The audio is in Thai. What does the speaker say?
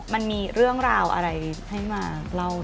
มันมีเรื่องราวอะไรให้มาเล่า